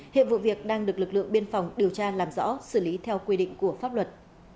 hiện vụ việc đang được lực lượng biên phòng điều tra làm rõ xử lý theo quy định của pháp luật